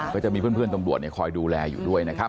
ก็จะมีเพื่อนตำรวจคอยดูแลอยู่ด้วยนะครับ